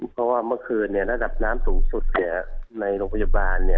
เพราะว่าเมื่อคืนระดับน้ำสูงสุดในโรงพยาบาล